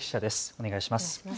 お願いします。